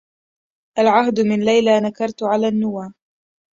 العهد من ليلى نكرت على النوى